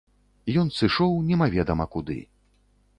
Ён сышоў немаведама куды.